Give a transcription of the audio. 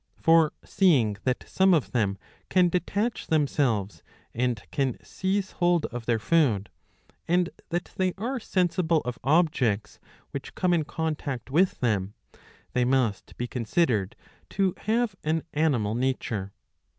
For seeing that some of them can detach 681b. iv. 5. 105 themselves and can seize hold of their food, and that they are sensible of objects which come in contact with tljem, they must be considered to have an animal nature.